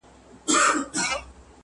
ما د سمسوره باغه واخیسته لاسونه.!